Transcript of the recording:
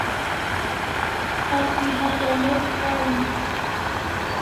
Asi hatya load karin